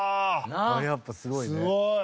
あれやっぱすごいね。